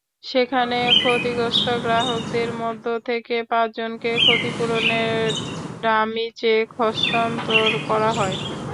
সেখানে ক্ষতিগ্রস্ত গ্রাহকদের মধ্য থেকে পাঁচজনকে ক্ষতিপূরণের ডামি চেক হস্তান্তর করা হয়।